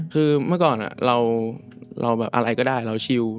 คือเมื่อก่อนเราแบบอะไรก็ได้เราชิว